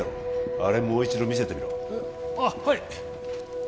あれもう一度見せてみろえっああはい